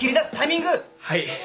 はい。